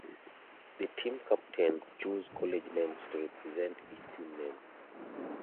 The team captains chose college names to represent each team name.